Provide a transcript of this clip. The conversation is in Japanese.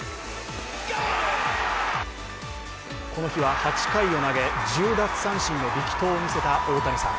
この日は８回を投げ１０奪三振の力投を見せた大谷さん。